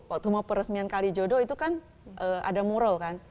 waktu mau peresmian kalijodo itu kan ada mural kan